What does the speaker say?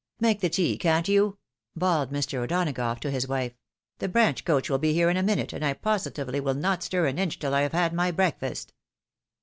"Make the tea, can't you?" bawled Mr. O'Donagough to his wife, " The branch coach will be here in a minute, and I positively wiU not stir an inch till I have had my breakfast."